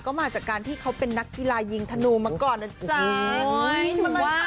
ก็มาจากการที่เขาเป็นนักกีฬายิงธนูมาก่อนนะจ๊ะ